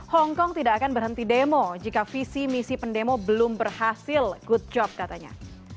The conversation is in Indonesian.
hongkong tidak akan berhenti demo jika visi misi pendemo belum berhasil good job katanya